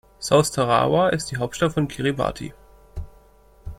South Tarawa ist die Hauptstadt von Kiribati.